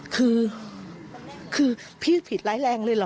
คือคือพี่ผิดร้ายแรงเลยเหรอ